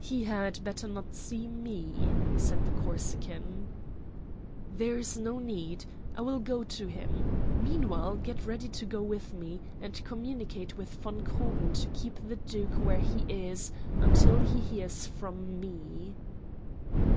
"He had better not see me," said the Corsican. "There is no need. I will go to him. Meanwhile get ready to go with me, and communicate with von Krugen to keep the duke where he is until he hears from me."